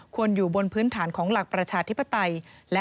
อยู่บนพื้นฐานของหลักประชาธิปไตย